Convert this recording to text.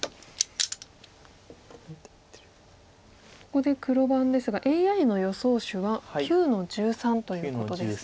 ここで黒番ですがＡＩの予想手は９の十三ということです。